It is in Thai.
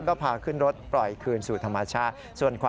ตอนแรกก็ไม่แน่ใจนะคะ